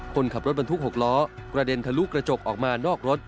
คนขับรถบรรทุก๖ล้อกระเด็นทะลุกระจกออกมานอกรถ